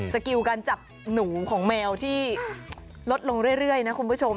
สกิลการจับหนูของแมวที่ลดลงเรื่อยนะคุณผู้ชม